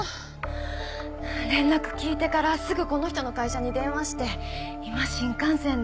連絡聞いてからすぐこの人の会社に電話して今新幹線で。